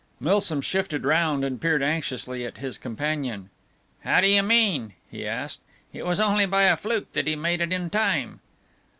Milsom shifted round and peered anxiously at his companion. "How do you mean?" he asked. "It was only by a fluke that he made it in time."